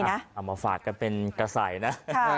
เอามาฝากกันเป็นกระส่ายนะ